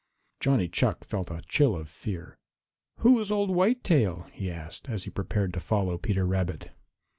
Johnny Chuck felt a chill of fear. "Who is Old Whitetail?" he asked, as he prepared to follow Peter Rabbit.